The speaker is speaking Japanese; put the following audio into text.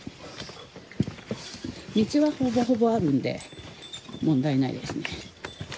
道はほぼほぼあるんで問題ないですね。